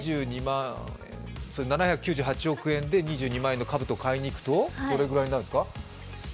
７９８億円で２２万円のかぶとを買いに行くとどれぐらいになるんですか？